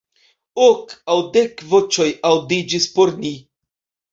Ok aŭ dek voĉoj aŭdiĝis por ni.